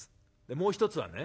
もう一つはね